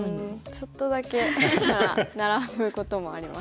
ちょっとだけなら並ぶこともあります。